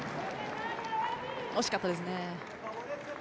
惜しかったですね。